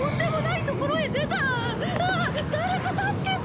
ああ誰か助けて！